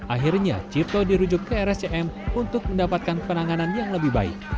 akhirnya cipto dirujuk ke rscm untuk mendapatkan penanganan yang lebih baik